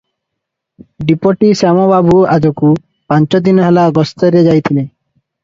ଡିପୋଟି ଶ୍ୟାମବାବୁ ଆଜକୁ ପାଞ୍ଚଦିନ ହେଲା ଗସ୍ତରେ ଯାଇଥିଲେ ।